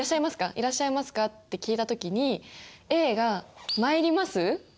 「いらっしゃいますか？」って聞いた時にＡが「参ります」って言ったんですよ。